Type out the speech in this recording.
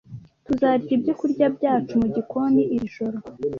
Tuzarya ibyokurya byacu mugikoni iri joro.